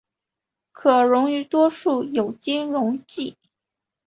可溶于多数有机溶剂。